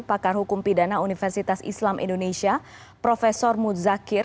pakar hukum pidana universitas islam indonesia prof muzakir